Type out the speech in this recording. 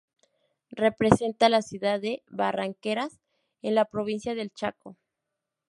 Representa a la ciudad de Barranqueras, en la Provincia del Chaco.